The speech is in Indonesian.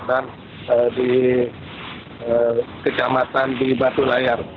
dan di kecamatan di batu layar